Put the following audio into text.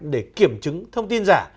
để kiểm chứng thông tin giả